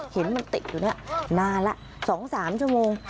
เห็นมันติดอยู่นี่นานละ๒๓ชั่วโมง